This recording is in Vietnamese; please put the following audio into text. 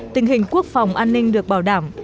tình hình quốc phòng an ninh được bảo đảm